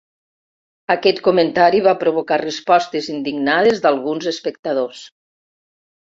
Aquest comentari va provocar respostes indignades d'alguns espectadors.